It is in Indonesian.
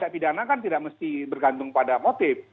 pidana kan tidak mesti bergantung pada motif